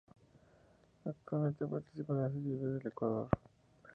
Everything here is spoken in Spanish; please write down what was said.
Actualmente participa en la Serie B de Ecuador.